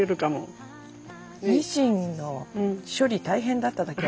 ニシンの処理大変だっただけある。